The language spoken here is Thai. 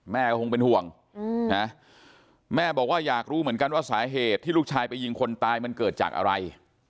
แม่ก็คงเป็นห่วงนะแม่บอกว่าอยากรู้เหมือนกันว่าสาเหตุที่ลูกชายไปยิงคนตายมันเกิดจากอะไร